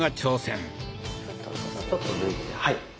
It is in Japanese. はい。